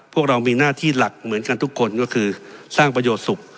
พวกเรามีหน้าที่หลักเหมือนกันทุกคนก็คือสร้างประโยชน์สุข